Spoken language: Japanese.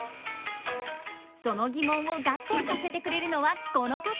その疑問を合点させてくれるのはこの方！